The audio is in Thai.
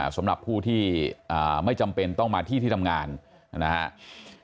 สำหรับผู้ที่ไม่จำเป็นต้องมาที่ที่ทำงานนะครับ